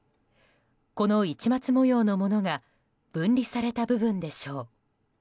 この市松模様のものが分離された部分でしょう。